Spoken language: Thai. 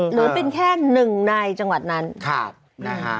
หรือเป็นแค่หนึ่งในจังหวัดนั้นนะฮะ